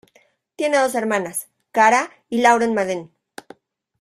Tiene dos hermanas, Cara y Lauren Madden.